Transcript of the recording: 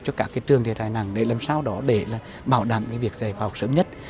cho các trường thiệt hại nặng để làm sao đó để bảo đảm việc dạy học sớm nhất